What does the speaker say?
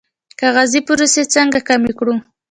کاغذي پروسې څنګه کمې کړو؟